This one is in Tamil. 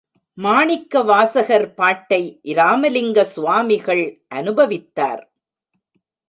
மாணிக்கவாசகர் பாட்டை இராமலிங்க சுவாமிகள் அநுபவித்தார்.